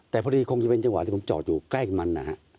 แต่พอดีคงจะเป็นจังหวะที่ผมจอดอยู่ใกล้กับมันนะฮะ